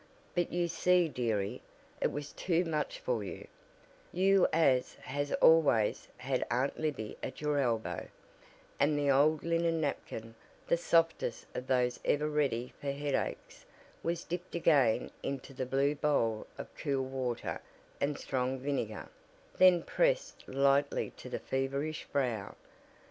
But you see deary, it was too much for you, you as has always had Aunt Libby at your elbow," and the old linen napkin, the softest of those ever ready for headaches, was dipped again into the blue bowl of cool water and strong vinegar, then pressed lightly to the feverish brow.